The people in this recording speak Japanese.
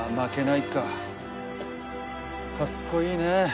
かっこいいねえ。